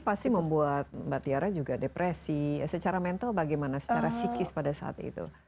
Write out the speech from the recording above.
pasti membuat mbak tiara juga depresi secara mental bagaimana secara psikis pada saat itu